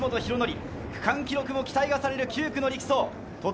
区間記録も期待がされる力走。